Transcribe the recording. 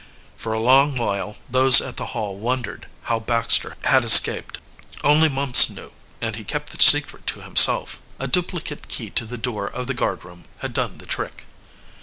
For a long while those at the Hall wondered how Baxter had escaped. Only Mumps knew and he kept the secret to himself. A duplicate key to the door of the guardroom had done the trick.